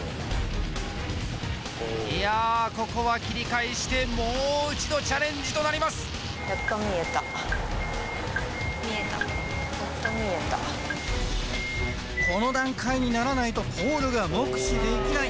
いやあここは切り返してもう一度チャレンジとなりますやっと見えたこの段階にならないとポールが目視できない